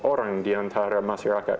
orang diantara masyarakat